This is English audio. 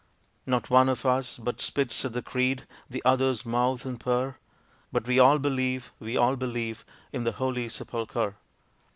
Not one of us but spits at the creed the others mouth and purr, But we all believe, we all believe, in the Holy Sepulchre!